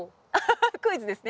クイズですね？